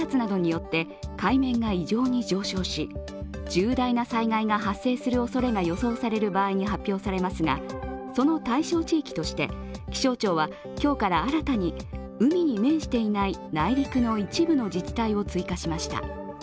重大な災害が発生するおそれが予想される場合に発表されますが、その対象地域として、気象庁は今日から新たに、海に面していない内陸の一部の自治体を追加しました。